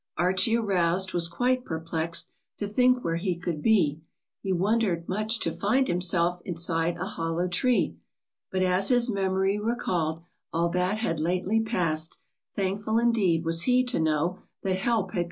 " Archie arous'd, was quite perplex'd To think where he could be ; He wonder'd much to find himself Inside a hollow tree I But as his memory recall'd All that had lately pass'd Thankful, indeed, was he to know That help had come at last.